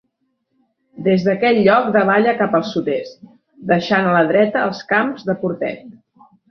Des d'aquell lloc davalla cap al sud-est, deixant a la dreta els Camps de Portet.